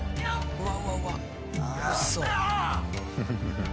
うわ。